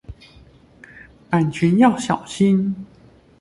版權要小心